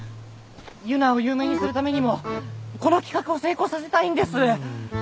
ゆなを有名にするためにもこの企画を成功させたいんです。